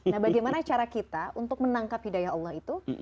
nah bagaimana cara kita untuk menangkap hidayah allah itu